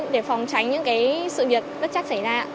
để phòng cháy những sự biệt bất chắc xảy ra